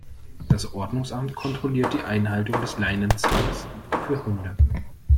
Das Ordnungsamt kontrolliert die Einhaltung des Leinenzwangs für Hunde.